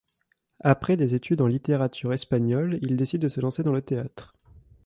Après des études en littérature espagnole, il décide de se lancer dans le théâtre.